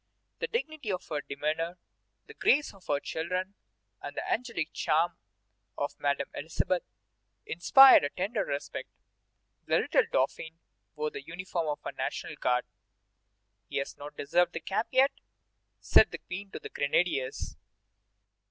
The dignity of her demeanor, the grace of her children, and the angelic charm of Madame Elisabeth inspired a tender respect. The little Dauphin wore the uniform of a National Guard. "He has not deserved the cap yet," said the Queen to the grenadiers.